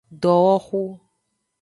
Dowoxu.